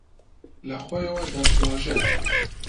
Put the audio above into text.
لەخۆیەوە دەشڵەژێت